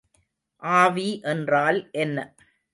ஆவி என்றால் என்ன?